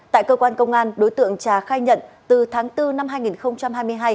tại cơ quan công an đối tượng trà khai nhận từ tháng bốn năm hai nghìn hai mươi hai